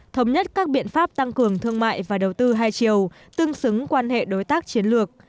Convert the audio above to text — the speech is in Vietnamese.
thống nhất các biện pháp tăng cường thương mại và đầu tư hai chiều tương xứng quan hệ đối tác chiến lược